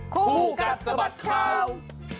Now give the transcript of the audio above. คู่กัดสะบัดข่าว